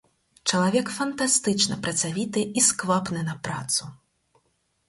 Чалавек фантастычна працавіты і сквапны на працу.